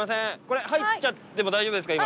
これ入っちゃっても大丈夫ですか？